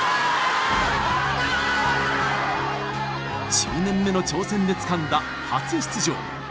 １０年目の挑戦でつかんだ初出場。